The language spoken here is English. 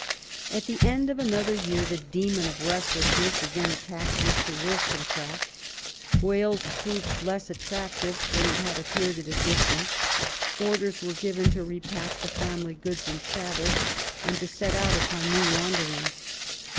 At the end of another year, the demon of restlessness again attacked Mr. WoUstonecraft. Wales proved less attraptive than it had appeared at a distance. Orders were given to repack the family goods and chattels, and to set out upon new wanderings.